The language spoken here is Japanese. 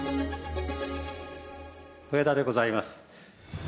植田でございます。